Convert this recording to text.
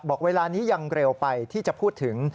เวลานี้ยังเร็วไปที่จะพูดถึง